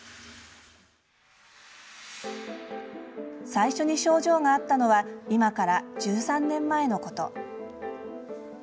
最初に症状があったのは今から１３年前のこと。